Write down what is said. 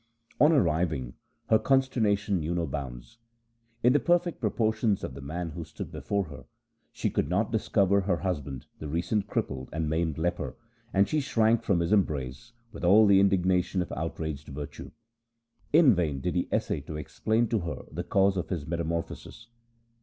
On arriving, her consternation knew no bounds. In the perfect proportions of the man who stood before her, she could not discover her husband, the recent crippled and maimed leper, and she shrank from his embrace with all the indignation of out raged virtue. In vain did he essay to explain to her the cause of his metamorphosis.